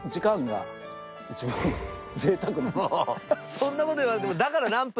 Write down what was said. そんな事言われても。